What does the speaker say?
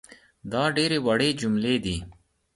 دا ډېرې وړې جملې دي